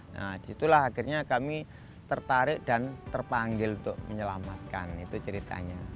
nah disitulah akhirnya kami tertarik dan terpanggil untuk menyelamatkan itu ceritanya